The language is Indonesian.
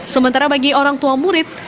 sementara bagi orang tua murid